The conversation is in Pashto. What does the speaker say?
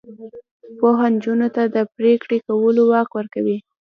پوهه نجونو ته د پریکړې کولو واک ورکوي.